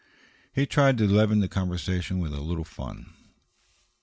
He tried to leaven the conversation with a little fun.